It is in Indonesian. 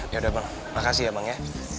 yaudah bang makasih ya bang ya